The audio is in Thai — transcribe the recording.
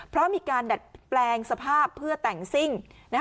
เพราะมีการแบ่งสภาพเพื่อแต่งสิ้ง